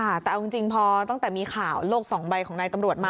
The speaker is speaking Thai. ค่ะแต่เอาจริงพอตั้งแต่มีข่าวโลกสองใบของนายตำรวจมา